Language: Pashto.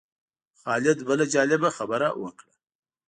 خالد بله جالبه خبره وکړه.